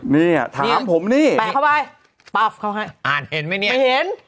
เนี่ยถามผมนี่แปะเข้าไปปั๊บเขาให้อ่านเห็นไหมเนี่ยไม่เห็น